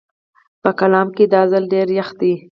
په کالام کې دا ځل ډېر يخ دی